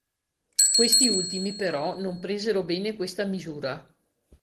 Questi ultimi, però, non presero bene questa misura.